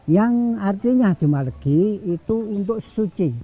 yang artinya juma legi itu untuk suci